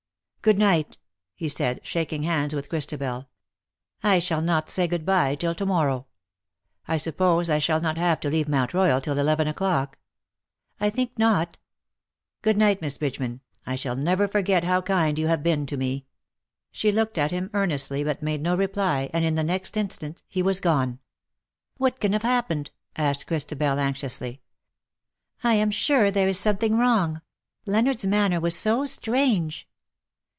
" Good night," he said, shaking hands with Christabel. " I shall not say good bye till to morrow. I suppose I shall not have to leave Mount Royal till eleven o'clock." " I think not." " Good night, Miss Bridgeman. I shall never forget how kind you have been to me." 284 She looked at him earnestly, but made no reply, and in the next instant he was gone. "What can have happened ?^^ asked Christabel anxiously. " I am sure there is something wrong. Leonardos manner was so strange."